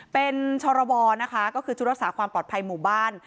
เป็นชรบนะคะก็คือชุดรักษาความปลอดภัยหมู่บ้าน